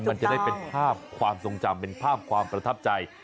มันจะได้เป็นภาพความทรงจำเป็นภาพความประทับใจ